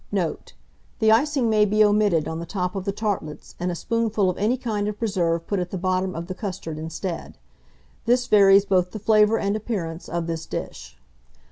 Note. The icing may be omitted on the top of the tartlets, and a spoonful of any kind of preserve put at the bottom of the custard instead: this varies both the flavour and appearance of this dish.